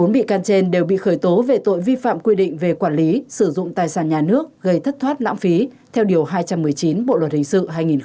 bốn bị can trên đều bị khởi tố về tội vi phạm quy định về quản lý sử dụng tài sản nhà nước gây thất thoát lãng phí theo điều hai trăm một mươi chín bộ luật hình sự hai nghìn một mươi năm